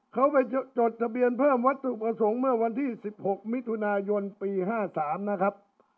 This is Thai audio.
เขาไปจดทะเบียนเพิ่มวัตถุประสงค์เมื่อวันที่๑๖มิถุนายนปี๕๓นะครับ